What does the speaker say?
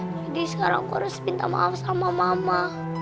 jadi sekarang aku harus minta maaf sama mama